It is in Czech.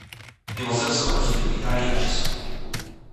Mimo Srbsko působil v Itálii a Česku.